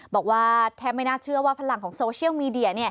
บอกว่าแทบไม่น่าเชื่อว่าพลังของโซเชียลมีเดีย